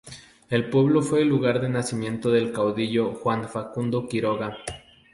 El pueblo fue el lugar de nacimiento del caudillo Juan Facundo Quiroga.